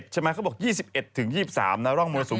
ใช่ไหมที่บอก๒๑๒๓ร่องมอสุม